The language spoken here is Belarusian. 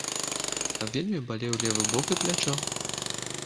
Вельмі балеў левы бок і плячо.